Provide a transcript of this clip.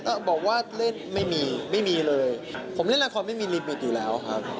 บอกว่าเล่นไม่มีไม่มีเลยผมเล่นละครไม่มีลิมิตอยู่แล้วครับ